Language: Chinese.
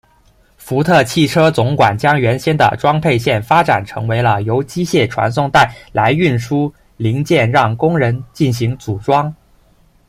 福特汽车主管将原先的装配线发展成为了由机械传送带来运输零件让工人进行组装。